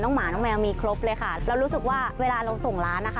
หมาน้องแมวมีครบเลยค่ะเรารู้สึกว่าเวลาเราส่งร้านนะคะ